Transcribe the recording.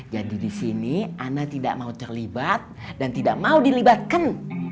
jadi di sini ana tidak mau terlibat dan tidak mau dilibatkan